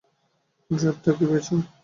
ড্রাইভটা কি পেয়েছো?